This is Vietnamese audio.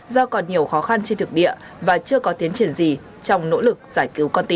do còn nhiều khó khăn trên thực địa và chưa có tiến triển gì trong nỗ lực giải cứu con tin